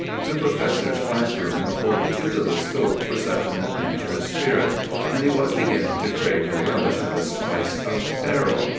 The professor's class room afforded too little scope for such an adventurous spirit, and he was beginning to crave the relish of a spice of peril.